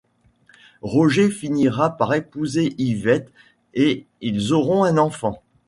Roger finira par épouser Yvette et ils auront un enfant.